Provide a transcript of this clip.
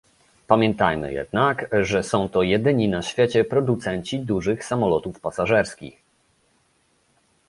Pamiętajmy jednak, że są to jedyni na świecie producenci dużych samolotów pasażerskich